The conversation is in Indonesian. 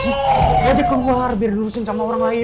bawa aja ke luar biar dilurusin sama orang lain